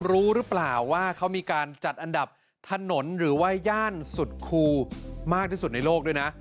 รู้หรือเปล่าว่าเขามีการจัดอันดับถนนหรือว่าย่านสุดคูมากที่สุดในโลกด้วยนะ